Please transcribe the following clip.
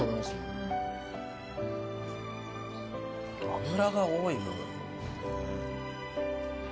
脂が多い部分。